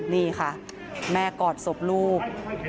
นี่ค่ะแม่กอดศพลูก